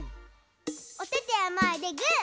おててはまえでグー！